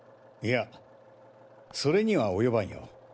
いやそれにはおよばんよ。